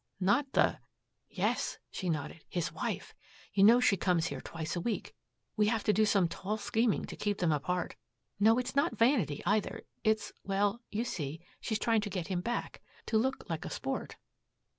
"Not the " "Yes," she nodded, "his wife. You know, she comes here twice a week. We have to do some tall scheming to keep them apart. No, it's not vanity, either. It's well you see, she's trying to get him back, to look like a sport."